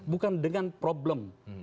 bukan dengan problem